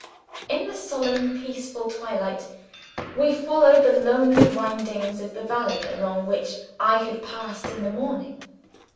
In the solemn, peaceful twilight we followed the lonely windings of the valley along which I had passed in the morning.